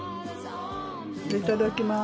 いただきます。